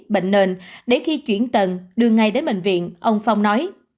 bệnh nền để khi chuyển tầng đưa ngay đến bệnh viện ông phong nói